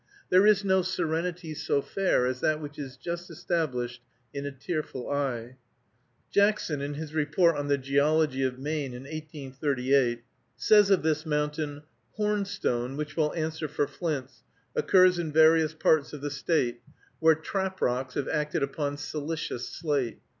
There is no serenity so fair as that which is just established in a tearful eye. Jackson, in his Report on the Geology of Maine, in 1838, says of this mountain: "Hornstone, which will answer for flints, occurs in various parts of the State, where trap rocks have acted upon silicious slate.